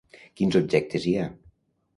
Quins objectes hi ha?